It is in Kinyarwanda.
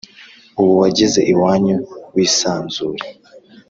ubu wageze iwanyu wisanzure."